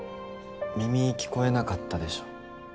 耳聞こえなかったでしょ。